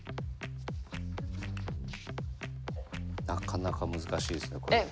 なかなか難しいですねこれ。えっ？